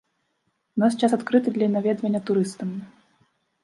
У наш час адкрыты для наведвання турыстамі.